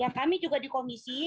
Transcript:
ya kami juga di komisi